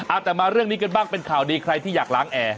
อาจจะมาเรื่องนี้กันบ้างเป็นข่าวดีใครที่อยากล้างแอร์